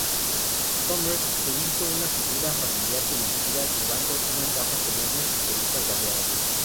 Somers se hizo una figura familiar televisiva llevando unas gafas enormes y pelucas variadas.